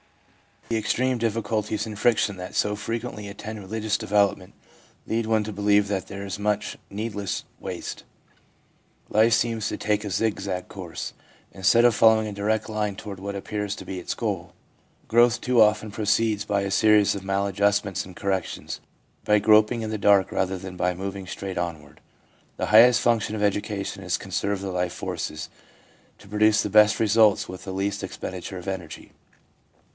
The extreme difficulties and friction that so fre quently attend religious development lead one to believe that there is much needless waste. Life seems to take a zigzag course, instead of following a direct line toward what appears to be its goal. Growth too often proceeds by a series of maladjustments and corrections, by grop ing in the dark rather than by moving straight onward. The highest function of education is to conserve the life forces, to produce the best results with the least expenditure of energy.